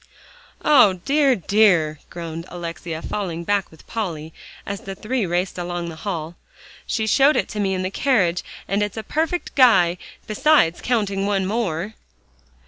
"O dear! dear!" groaned Alexia, falling back with Polly as the three raced along the hall, "she showed it to me in the carriage, and it's a perfect guy, besides counting one more."